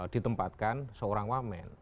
ditempatkan seorang wamen